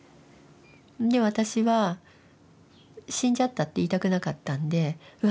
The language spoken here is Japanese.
で私は「死んじゃった」って言いたくなかったんで「うわ父ちゃんが大変。